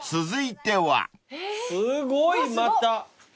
［続いては］すごいまた！